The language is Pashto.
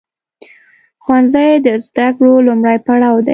ښوونځی د زده کړو لومړی پړاو دی.